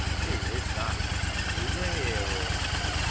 " He is that. He's a hero